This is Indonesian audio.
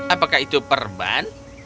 apakah itu perban